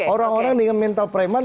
orang orang dengan mental preman